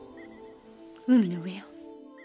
海の上よ。